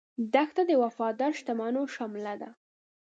دښته د وفادار شتمنو شمله ده.